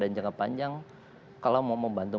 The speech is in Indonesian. jangka panjang kalau mau membantu